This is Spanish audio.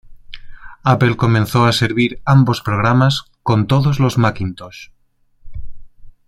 Apple comenzó a servir ambos programas con todos los Macintosh.